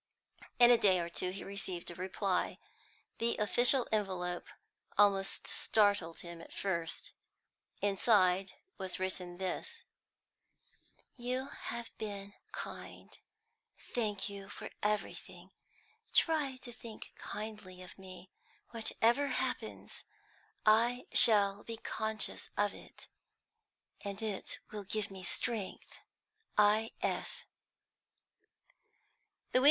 In a day or two he received a reply. The official envelope almost startled him at first. Inside was written this: "You have been kind. I thank you for everything. Try to think kindly of me, whatever happens; I shall be conscious of it, and it will give me strength. I.